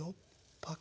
パカ。